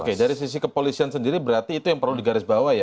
oke dari sisi kepolisian sendiri berarti itu yang perlu digarisbawahi ya